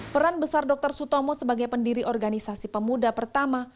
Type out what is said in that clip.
peran besar dr sutomo sebagai pendiri organisasi pemuda pertama